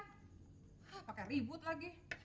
hah pake ribut lagi